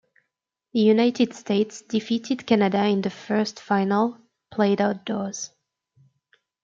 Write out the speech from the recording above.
The United States defeated Canada in the first final, played outdoors.